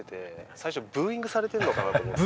最初ブーイングされてるのかなと思って。